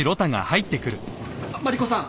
マリコさん